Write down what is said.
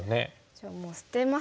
じゃあもう捨てます。